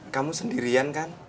kamu sendirian kan